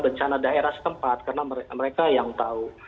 bencana daerah setempat karena mereka yang tahu